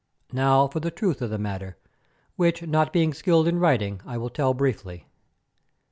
Now, for the truth of the matter, which not being skilled in writing I will tell briefly.